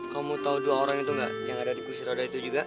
kamu tahu dua orang itu mbak yang ada di kursi roda itu juga